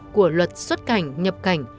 của luật xuất cảnh nhập cảnh